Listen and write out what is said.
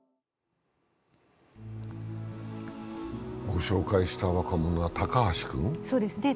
御紹介した若者は高橋君。